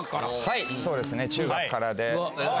はいそうですね中学からで。